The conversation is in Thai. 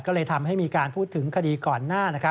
ก็เลยทำให้มีการพูดถึงคดีก่อนหน้า